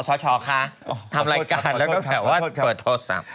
ชคะทำรายการแล้วก็แบบว่าเปิดโทรศัพท์